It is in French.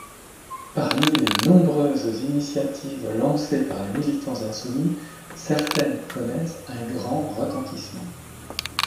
Parmi les nombreuses initiatives lancées par les militants insoumis, certaines connaissent un grand retentissement.